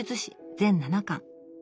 全７巻。